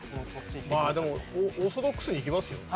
まあでもオーソドックスにいきますよ。